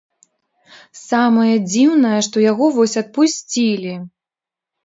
Самае дзіўнае, што яго вось адпусцілі!